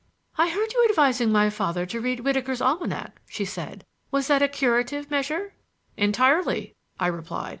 "I heard you advising my father to read Whitaker's Almanack," she said. "Was that a curative measure?" "Entirely," I replied.